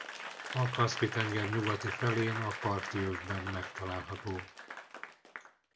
A Kaszpi-tenger nyugati felén a parti övben megtalálható.